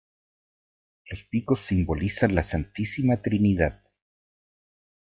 Los picos simbolizan la Santísima Trinidad.